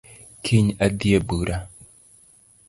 Kiny adhi e bura